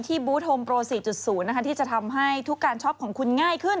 บูธโฮมโปร๔๐ที่จะทำให้ทุกการช็อปของคุณง่ายขึ้น